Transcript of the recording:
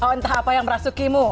oh entah apa yang merasukimu